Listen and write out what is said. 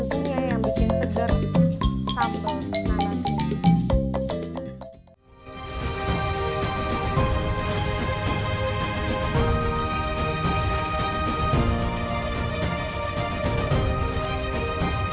dan tentunya yang bikin seger sabun malam